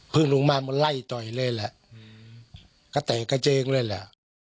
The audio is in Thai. ลงมามันไล่ต่อยเลยแหละกระแตกกระเจิงเลยแหละ